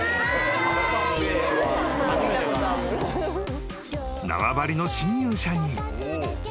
「はーい」［縄張りの侵入者に］